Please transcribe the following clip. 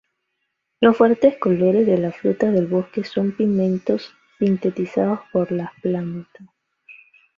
Los fuertes colores de las frutas del bosque son pigmentos sintetizados por la planta.